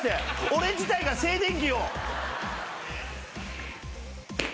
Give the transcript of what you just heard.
俺自体が静電気を。